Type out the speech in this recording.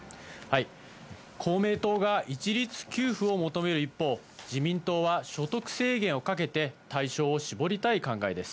公明党が一律給付を求める一方、自民党は所得制限をかけて、対象を絞りたい考えです。